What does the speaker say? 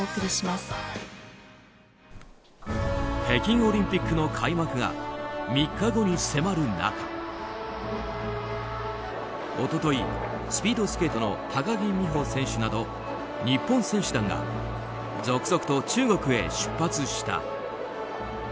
北京オリンピックの開幕が３日後に迫る中一昨日、スピードスケートの高木美帆選手など日本選手団が続々と中国へ出発した。